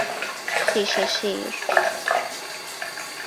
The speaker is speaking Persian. شیشه شیر